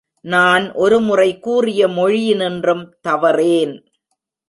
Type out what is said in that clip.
நான் ஒருமுறை கூறிய மொழியினின்றும் தவறேன்.